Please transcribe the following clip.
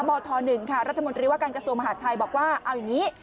มธ๑ค่ะรัฐมนตรีว่าการกระทรวงมหาดไทยบอกว่าเอาอย่างนี้